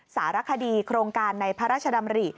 สารคดีโครงการในพระราชดำริ